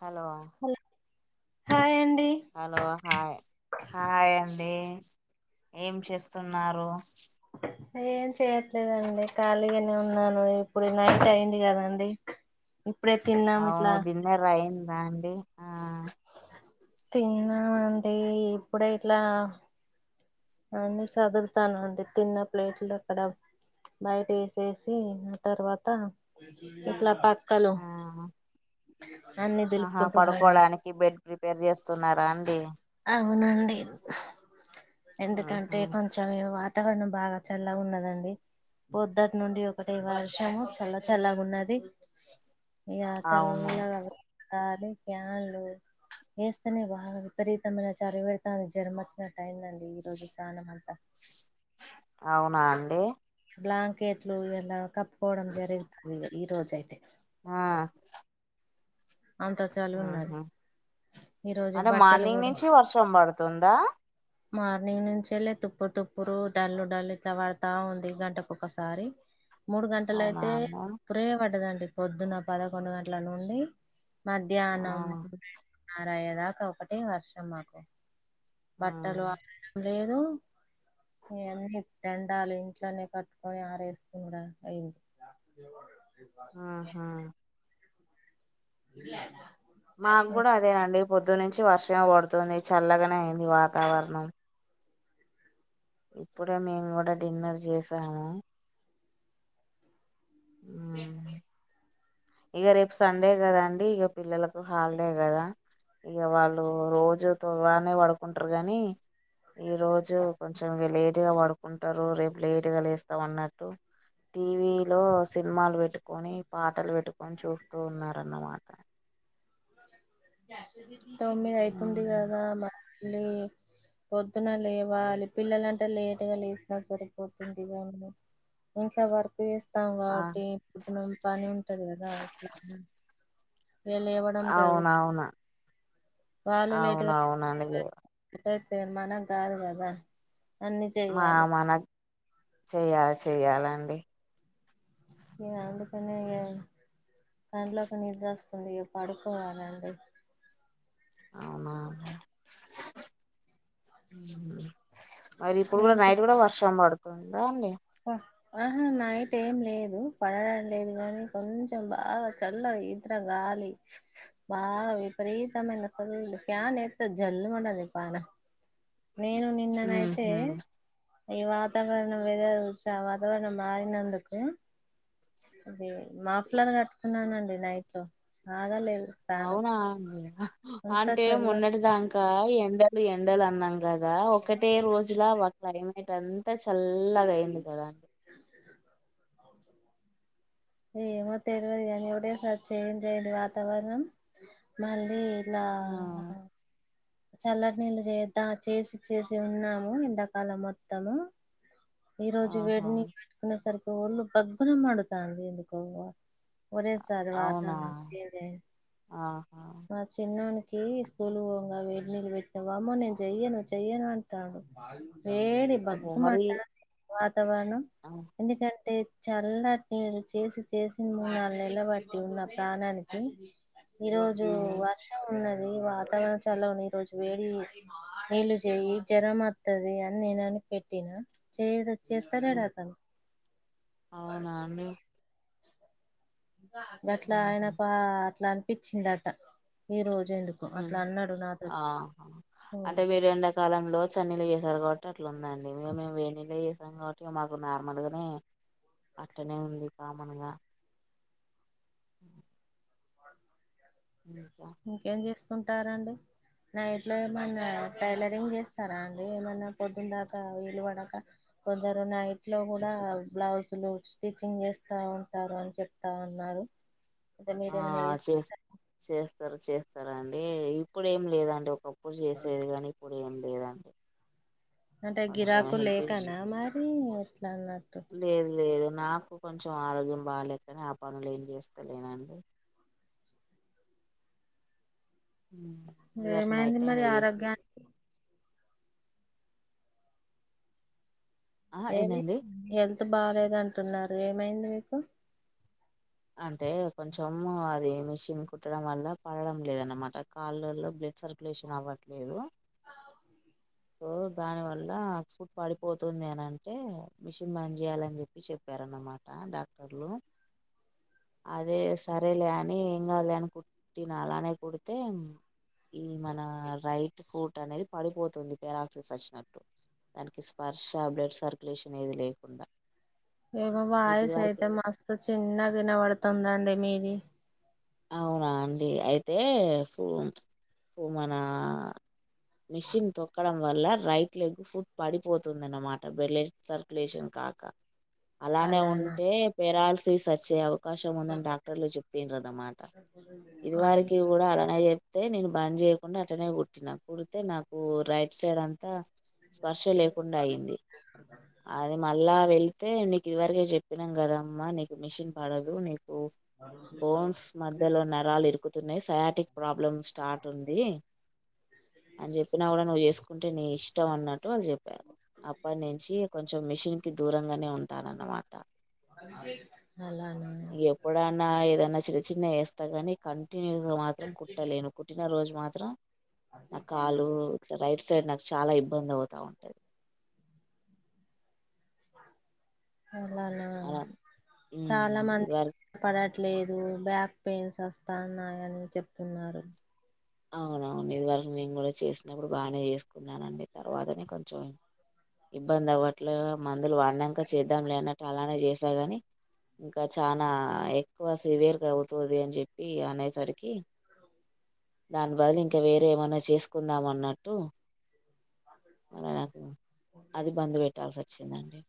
hello hello hi అండి hello hi hi అండి ఏం చేస్తున్నారు ఏం చేయట్లేదండి ఖాళీగానే ఉన్నాను ఇప్పుడు నైట్ అయింది కదండి ఇప్పుడే తిన్ అవును డిన్నర్ అయిందా అండి ఆ తిన్నామండి ఇప్పుడే ఇట్లా అన్నీ సదురుతాననండి తిన్న ప్లేట్లు అక్కడ బయట వేసేసి ఆ తర్వాత ఇట్లా పక్ క్కలు ఆ అన్ని ఆహా దులుపుకుంటున్నాను పడుకోవడానికి బెడ్ ప్రిపేర్ చేస్తున్నారా అండి అవునండి ఆహా ఎందుకంటే కొంచెం వాతావరణం బాగా చల్లగున్నదండి పొద్దుటి నుండి ఒకటె వర్షము చల్ల చల్లగున్నది ఇక అవును చల్లగాతారు ప్యాన్లు వేస్తనే బాగా విపరీతమైన చలి పెడతాంది జ్వరము వచ్చినట్టయిందండి ఈరోజు ప్రానం అంతా అవునా అండి బ్లాంకెట్లు ఇలా కప్పుకోవడం జరుగుతుంది ఈ రోజ అయితే ఆ అంత చలి ఉన్నది ఉహు ఈ రోజు అంటే బట్టలు మార్నింగ్ కూడా నుంచి వర్షం పడుతుందా మార్నింగ్ నుంచి వెళ్ళి తుప్పు తుప్పురు డల్లు డల్లు ఇట్లా పడతా ఉంది గంటకి ఒకసారి మూడు అవునా గంటలయితే అండి ఇప్పురే పడ్డదండి పొద్దున పదకొండు గంటల నుండి ఆ మధ్యాహ్నం ఆరు అయ్యేదాకా ఒకటే వర్షం మాకు ఆ బట్టలు వాడడం లేదు న్నీ దండాలు లు ఇంట్లోనే కట్టుకొని ఆరేస్తుండా అయింది ఆహా [unintelligible] మాకూడా అదేనండి పొద్దునుంచి వర్షము పడుతుంది చల్లగానే అయింది వాతావరణం ఇప్పుడే మేము కూడా డిన్నర్ చేసాము ఒకే అండి ఇగ రేపు సండే కదా అండి ఇక పిల్లలకు హాలిడే కదా ఇగ వాళ్ళు రోజు తుగానే పడుకుంటారు గానీ ఈరోజు కొంచెం ఇ లేటుగా పడుకుంటారు రేపు లేటుగా లేస్తాం అన్నట్టు టీవీ లో సినిమాలు పెట్టుకొని పాటలు పెట్టు ని చూస్తూ ఉన్నారన్నమాట తొమ్మిది అయితుంది కదా మళ్ళీ పొద్దున లేవాలి పిల్లలంటే లేట్గా లేసినా సరిపోతుంది కానీ ఇంట్లో వర్క్ చేస్ తాం కాబట్టి ఇప్పుడు పని ఉంటది కదా వీళ్ళ అవునవును అవునవునండి లే గట్ట తరుమానం కాదు కదా అన్ని మా చెయ్యాలి మనకు చెయాలి చెయ్యాలండి ఇ అందుకని ఇగ కంలోకి నిద్ర వస్తుంది ఇ పడుకోవాలండి అవునా మరి ఇప్పుడు మీ కూడా నైట్ కూడా వర్షం పడుతుందా అండి అ ఆహా నైట్ ఏం లేదు పడడం లేదు గాని కొంచెం బాగా చల్లగయి త గాలి వా విపరీతమైన ఫుల్లు ఫ్యాన్ ఎత్తే జల్లుమన్నది పానం నేను నిన్ననైతే అండి ఈ వాతావరణం వెదర్ చూసినావ వాతావరణం మారినందుకు అద మాఫలాలను కట్టుకున్నానండి నైట్ లో బాగా లేదు పానం అవునులే అంటే మొన్న దాంకా ఎండలు ఎండలు అన్నాం కదా ఒకటే రోజులా ఒక టై ఇటంతా చల్లగా అయింది కదా ఏమో తెలియదు కానీప్పుడే ఒకటేసారి చేంజ్ అయ్యింది వాతావరణం మళ్ళీ ఇలా ఆ చల్లటి నీళ్ళు చేద్దా చేసి చేసి ఉన్నాము ఎండాకాలం మొత్తము ఈరోజు ఆహా వేడిని పెట్టుకునే సరికి ఒళ్ళు భగ్గున మండుతాంది ఎందుకో ఒరే చర్వాత అవునా నొక్కేదే ఆహా మ చిన్నొనికి స్కూల్‌కి పోంగా వేడి నీళ్ళు పెట్టిన వామ్మో నేను చెయ్యను చెయ్యను అంటాండు వేడి అబ్బో మరి బగ్గుమంటంది వాతావరణం ఆ ఎందుకంటే చల్లటి నీళ్లు చేసి చేసి మూడు నాలుగు నెల్లు బట్టింది నా ప్రాణానికి ఈరోజు ఉమ్, వర్షం ఉన్నది వాతావరణం చాలాగ ఉన్నాది ఈరోజు వేడి నీళ్ళు చెయ్యి జ్వరం వత్తది అని నేనని పెట్టినా చెయ్యడు చేస్తాలేడు అతను అవునండి గట్లా ఆయన ఉహు, పా అట్లా అనిపిచిందట ఈరోజు ఎందు ఉమ్ ఆహ అంటే మీరు ఎండ కాలంలో చన్నీళ్ళు చేసారు కాబట్టి అట్లుందండి మేమేం వేనీళ్ళే చేస సాం కాబట్టి మాకు నార్మల్ గానే అట్లానే ఉంది కామన్‌గా ఇంకా ఇంకేం చేస్తుంటారండి నైట్లో ఏమన్నా టైలరింగ్ చేస్తారా అండి ఏమన్నా పొద్దున్న దాకా విలుపడక కొందరు నైట్‌లో కూడా బ్లౌజులు స్టిచ్చింగ్ చేస్తా ఉంటారు అని చెప్తా ఉన్నారు అయితే ఆ మీరేమైనా చేస్ చేస్తారా చేస్తారు చేస్తారండి ఇప్పుడు ఏం లేదండి ఒక ప్పుడు చేసేది కానీ ఇప్పుడు ఏం లేదండి అంటే కొంచెం గిరాకు హెల్త్ ఇష్యూ లేకనా మరి ఎట్లా అన్నట్టు లేదు లేదు నాకు కొంచెం ఆరోగ్యం బాలేకనే ఆ పనులు ఏం చేస్తాలేనండి ఉమ్ ఏమైంది మరి ఆరోగ్య ఆ ఏమి ఏందండి హెల్త్ బాలేదు అంటున్నారు ఏమైంది మీకు అంటే కొంచెం అది మిషన్ కుట్టడం వల్ల పడడం లేదనమాట కాళ్ళల్లో బ్ల సర్క్యులేషన్ అవ్వట్లేదు సో దాని వల్ల ఫుట్ పడిపోతుంది అని అంటే మిషన్ బంద్ చేయాలని చెప్పి చె ప్పారు అన్నమాట డాక్టర్లు అదే సరేలే అని ఏం కాదులే అని కుట్టిన అలానే కుడితే ఈ మన రైట్ ఫూట్ అనేది పడిపోతుంది పేరాక్సీస్ వచ్చినట్టు దానికి స్పర్శ బ్లడ్ సర్క్యులేషన్ ఏది లేకుండా ఏమో నీకు ఇది వాయిస్ వరకే అయితే మస్తు చిన్నగా ఇనబడుతుందండి మీది అవునాండి అయితే ఫు ఫు మన మిషిన్ తొక్కడం వల్ల రైట్ లెగ్ ఫుట్ పడిపోతుంది అనమాట బ్లడ్ సర్క్యులేషన్ కాక అలానే అలానా ఉంటే పెరాలసిస్ వచ్చే అవకాశం ఉందని డాక్టర్లు చెప్పిండ్రు అన్నమా ట ఇది వర అయ్ కి కూడా అలానే చెప్తే నేను బంద్ చేయకుండా అట్టనే కుట్టినా కుడితే నాకు రైట్ సైడ్ అంతా స్పర్శ లేకుండా అయింది అది మళ్ళా వెళ్తే ని కి ఇదివరకే చెప్పినాం కదా అమ్మా నీకు మిషిన్ పడదు నీకు తాడిపత్రికి రావా బోన్స్ మధ్యలో నరాలు ఇరుకుతున్నాయి సయాటిక్ ప్రాబ్లమ్ స్టార్ట్ ఉంది అని చెప్పినా కూడా నువ్వు చేసుకుంటే నీ ఇష్టం అన్నట్టు వాళ్ళు చెప్పారు అప్పట్నుంచి కొంచెం మిషిన్‌కి దూరంగానే ఉంటాను అనమాట అలానా కూడాన్న ఏదన్నా చిన్న చిన్న ఏ అంతగాని కంటిన్యూస్ గా మాత్రం కుట్టలేను కుట్టినరోజు మాత్రం నా కాలు రైట్ సైడ్ నాకు చాలా ఇబ్బంది అవుతా ఉంటది అలానా అలా చాలా ఉమ్, మంది ఇదివరకు పడట్లేదు బ్యాక్ పెయిన్స్ వస్తాన్నాయని చెప్తున్నారు అవునవును ఇది వరకు నేను కూడా చేసినప్పుడు బాగానే చేసుకున్నానండి తర్వాతనే కొంచెం ఇబ్బంది అవ్వట్లే మందులు వాడి నంక చేద్దాం లేనట్టు అలానే చేశాగానీ ఇంకా చానా ఎక్కువ సివియర్ గా అవుతుంది అని చెప్పి అనేసరికి దాని బదులు ఇంకా వేరే ఏమన్నా చేసుకుందామ అన్నట్టు మరి నాకు అది బంద్ పెట్టాల్సి వచ్చిందండి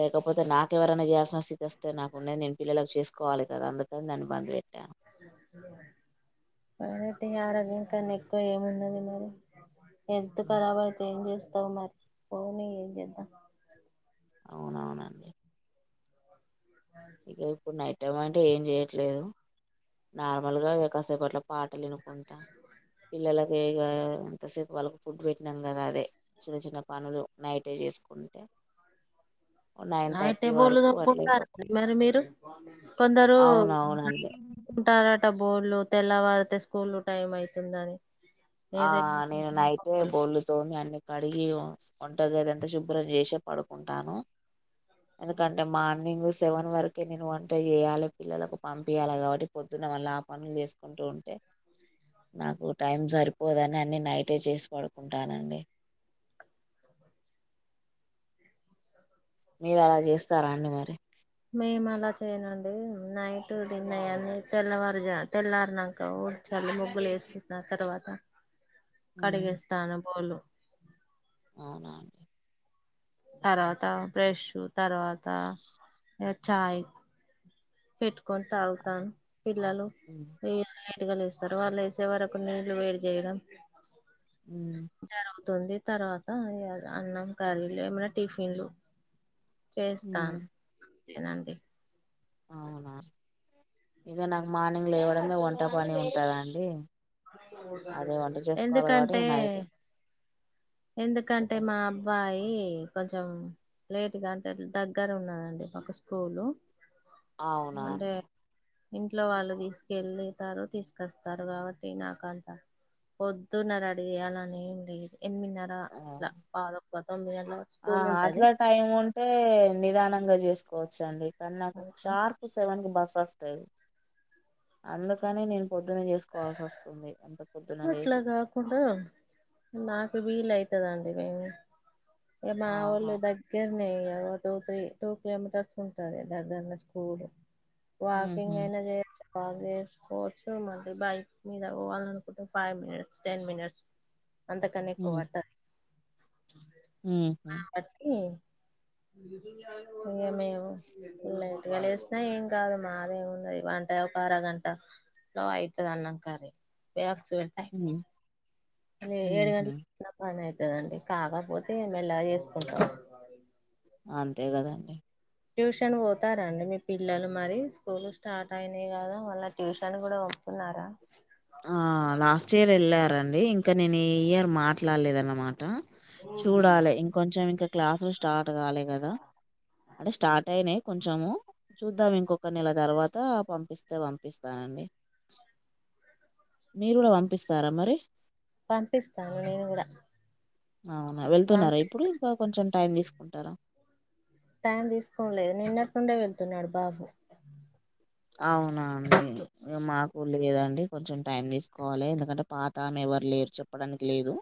లేకపోతే నాకు ఎవరనా చేయాల్సిన స్థితి వస్తే నాకు ఉన్నది నేను పిల్లలకు చేసుకోవాలి కదా అందుకని దాన్ని బంద్ పెట్టాను అనైతే ఆరోగ్యం కానీ ఎక్కువ ఏమున్నది మరి [unintelligible] నెత్తి ఉమ్, ఖరాబ్ అయితే ఏం చేస్తావు మరి పోనీ ఏం చేద్దాం అవునవునండి అ ఇక ఇప్పుడు నైటం అంటే ఏం చేయట్లేదు నార్మల్గా ఇగ కాసేపూ అట్లా పాటలు వినుకుంటా పిల్లలకి ఇగా ఎంతసేపు వాళ్ళకి ఫుడ్ పెట్టినాం కదా అదే చిన్న చిన్న పనులు నైటే చేసుకుంటే నైన్ నైటే థర్టీ బోళ్ళు వరకు అట్లా తోముకుంటారండి మరి మీరు కొందరు అవునవునండి ఉంటారట బోర్లు తెల్లవారితే స్కూల్ టైం అవుతుందని ఆ నేను నైటే బొల్లు తోమి అన్ని కడిగి వంటగది అంత శుభ్రం చేసే పడుకుంటాను ఎందుకంటే మార్నింగ్ సెవెన్ వరకే నేను వంట చేయాలి పిల్లలకు పంపియాలి కాబట్టి పొద్దున్న మల్ల ఆ పనులు చేసుకుంటూ ఉంటే నాకు టైం సరి పోదని అన్ని నైటే చేసి పడుకుంటానండి మీరు అలా చేస్తారా అండి మరి మేము అలా చేయనండి నైటు డిన్నర్ తెల్లవారుజా తెల్లారి నాక వుం చలు ముగ్గులు వేసీ తర్వాత ఉమ్ కడిగేస్తాను బోళు అవునా అండి తర్వాత బ్రెషు తర్వాత ఇగ చాయ్ పెట్టుకొని తాగుతాము పిల్లలు ఉ వీళ్ళు లేటుగా లేస్తారు వాళ్ళు లేసే వరకు నీళ్లు వేడి చేయడం ఉం జరుగుతుంది తర్వాత అన్నం కర్రీలు ఏమైనా టిఫిన్లు చేస్తాన్ ఉమ్ అంతేనండి అవున ఇగా నాకు మార్నింగ్ లేవడమే వంట పని ఉంటది అండి అదే వంట చేసుకోవాలి కాబట్టి ఎందుకంటే ఇగ నైట్ ఎందుకంటే చెప్పండి మా అబ్బాయీ కొంచెం లేట్ గా అంటే దగ్గర ఉన్నదండి మాకు స్కూలు అవునా అంటే అండి ఇంట్లో వాళ్ళు తీసుకెళ్లి తారు తీస్కస్తారు కాబట్టే నాకంత పొద్దున రడి చేయలీ అని ఏం లేదు ఎనిమిదినర అ ఆ ఇట్లా పవ్ధక్క తొమ్మిగంట్ల వర్క్ ఆ స్కూల్ ఉంటది అట్లా [unintelligible] టైం ఉంటే నిదానంగా జెస్కోచండి కానీ నాకు షార్ప్ సెవన్కి బస్ అస్తది అందుకని నేను పొద్దన చేస్కోవాల్స్తుంది అట్లా కాకుండా నాకు విలైతాదండి మేము ఇగ ఆహా మావోలు దగ్గ దగ్గరనే టు త్రి టూ కిలోమీటర్స్ ఉంటది దగ్గరనే స్కూలు వాకింగ్ ఉహు అయినా చేయచ్చు వాక్కు చేస్కొచ్చు మళ్ళీ బైక్ మీద పోవాలీ అనుకుంటే ఫైవ్ మినిట్స్ టెన్ మినిట్స్ అంతకన్నా ఉ ఎక్కువవట్టది ఉహు అట్నే ఇగ మేము లేట్గా లేస్తే ఏం కాదు మాదేముంది వంట ఒక అరగంట లో అయితది అన్నంకర్రి చేయచ్చు ఉ ఏడు ఉహు గంటలకు పని అవుతుందండి కాకపోతే మెల్ళగా చేసుకుంటాం అంతే కదండీ ట్యూషన్ పోతారండి మీ పిల్లలు మరి స్కూల్ స్టార్ట్ అయినాయి కదా మళ్ళ ట్యూషన్ కూడా ఉన్నారా ఆ లాస్ట్ ఇయర్ వెళ్ళారండి ఇంకా నేను ఈ ఇయర్ మాట్లాడలేదు అన్నమాట చూడాలే ఇంకొంచెం ఇంకా క్లాసులు స్టార్ట్ కాలే కదా అంటే స్టార్ట్ అయినాయి కొంచము చూద్దాం ఇంకొక నెల తర్వాత పంపిస్తే పంపిస్తానండి మీరు కూడా పంపిస్తారా మరి పంపిస్తాను నేను కూడా పంపిస్తాను ఇంక కొంచెం టైమ్ తీసుకుంటారా టైం తీసుకోడంలేదు నిన్నటి నుండే వెళ్తున్నాడు బాబు అవునా అండి మాకు లేదండి కొంచెం టైం తీసుకోవాలి ఎందుకంటే పాతమె ఎవరు లేరు చెప్పడానికి లేదు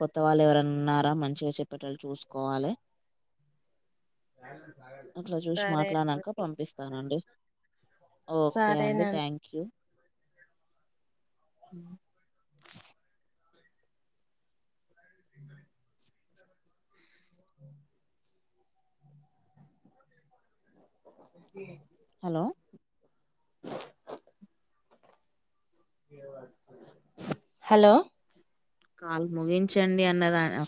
కొత్త వాళ్ళు ఎవర ఉన్నారా మంచిగా చెప్పేటోళ్ళు చూసుకోవాలి అట్లా చూసి సరే మాట్లాడినంక అండి పంపిస్తానండి ఓకే అండి సరేనండి థ్యాంక్యూ స హలో హలో కాలు ముగించండి అన్నదాన్ని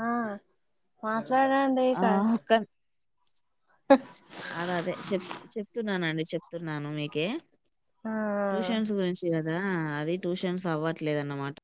ఆ మాట్లాడ ఆ క అద అదే చెప్ చెప్తున్నానండి చెప్తున్నాను మీకే ఆ ట్యూషన్స్ గురించి కదా అది ట్యూషన్స్ అవ్వట్లేదు అన్నమాట